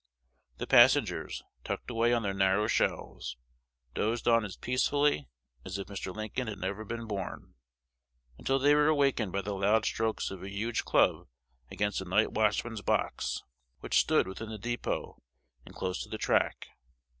The passengers, tucked away on their narrow shelves, dozed on as peacefully as if Mr. Lincoln had never been born, until they were awakened by the loud strokes of a huge club against a night watchman's box, which stood within the dépôt and close to the track.